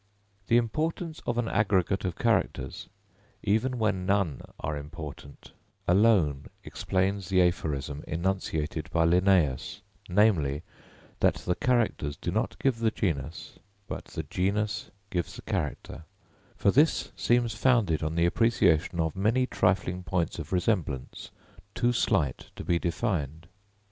The importance of an aggregate of characters, even when none are important, alone explains the aphorism enunciated by Linnæus, namely, that the characters do not give the genus, but the genus gives the character; for this seems founded on the appreciation of many trifling points of resemblance, too slight to be defined.